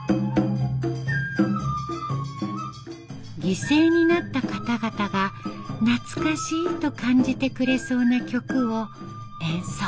犠牲になった方々が懐かしいと感じてくれそうな曲を演奏。